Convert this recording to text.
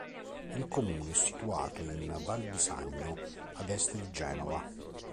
Il comune è situato in val Bisagno, ad est di Genova.